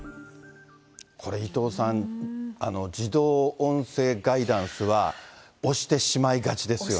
これ、伊藤さん、自動音声ガイダンスは、押してしまいがちですよね。